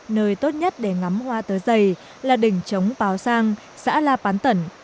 nơi tốt nhất để ngắm hoa tớ dày là đỉnh trống báo sang xã la pán tẩn